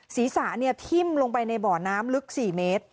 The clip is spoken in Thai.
ศีรษะนี่ทิ่มลงไปในเบาะน้ำลึก๔เมธร์